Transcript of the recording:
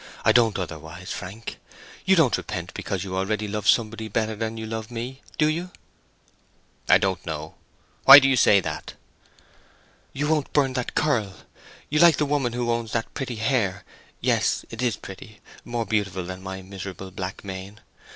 I don't otherwise, Frank. You don't repent because you already love somebody better than you love me, do you?" "I don't know. Why do you say that?" "You won't burn that curl. You like the woman who owns that pretty hair—yes; it is pretty—more beautiful than my miserable black mane!